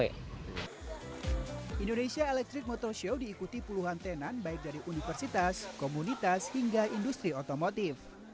indonesia electric motor show diikuti puluhan tenan baik dari universitas komunitas hingga industri otomotif